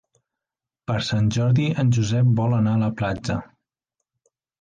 Per Sant Jordi en Josep vol anar a la platja.